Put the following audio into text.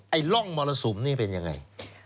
ร่องมรสุมนี่เป็นยังไง